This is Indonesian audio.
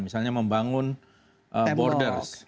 misalnya membangun borders